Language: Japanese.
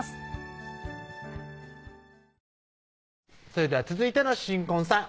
それでは続いての新婚さん